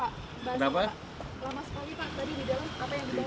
lama sekali pak tadi di dalam apa yang kita ingin kesinian